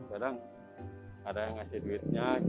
kadang ada yang ngasih duitnya